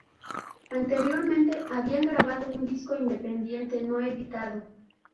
Anteriormente habían grabado un disco independiente no editado.